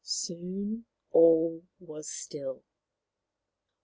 Soon all was still.